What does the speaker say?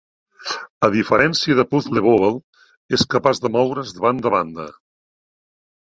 A diferència de "Puzzle Bobble", és capaç de moure's de banda a banda.